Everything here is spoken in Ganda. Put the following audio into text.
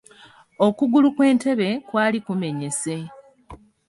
Okugulu kw'entebe kwali kumenyese